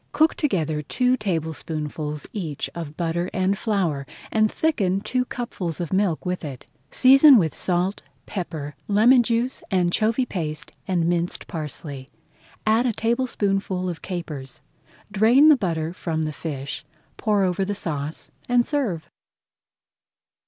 Cook together two tablespoonfuls each of butter and flour, and thicken two cupfuls of milk with it. Season with salt, pepper, lemon juice, anchovy paste, and minced parsley. Add a tablespoonful of capers, drain the butter from the fish, pour over the sauce, and serve.